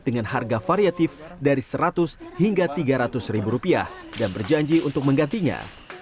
dengan harga variatif dari seratus hingga tiga ratus ribu rupiah dan berjanji untuk menggantinya